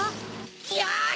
よし！